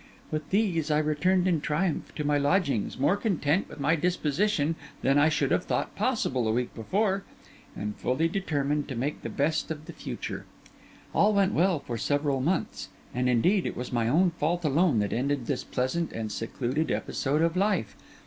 With these I returned in triumph to my lodgings, more content with my position than I should have thought possible a week before, and fully determined to make the best of the future. All went well for several months; and, indeed, it was my own fault alone that ended this pleasant and secluded episode of life.